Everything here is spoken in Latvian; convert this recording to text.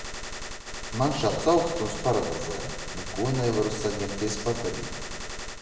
Mani šāds aukstums paralizē, neko nevaru saņemties padarīt.